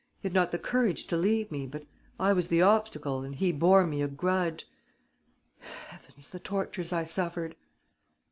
He had not the courage to leave me, but I was the obstacle and he bore me a grudge.... Heavens, the tortures I suffered!..."